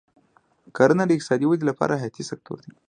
کرنه د اقتصادي ودې لپاره حیاتي سکتور دی.